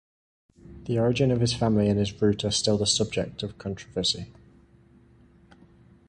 The origin of his family and his route are still the subject of controversy.